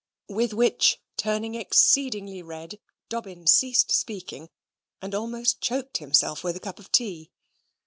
With which, turning exceedingly red, Dobbin ceased speaking, and almost choked himself with a cup of tea.